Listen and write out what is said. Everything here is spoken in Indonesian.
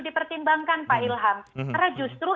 dipertimbangkan pak ilham karena justru